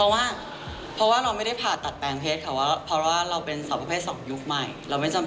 มันดูขาวขึ้นตั้งแต่ครั้งแรกที่เราทำ